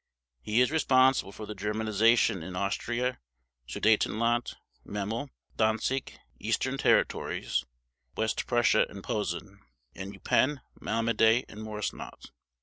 He is responsible for Germanization in Austria, Sudetenland, Memel, Danzig, Eastern territories (West Prussia and Posen), and Eupen, Malmedy, and Moresnot.